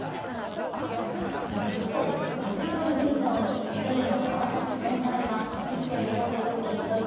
一方、水色のユニフォーム、２位の川崎フロンターレはヴィッセル神戸と激突。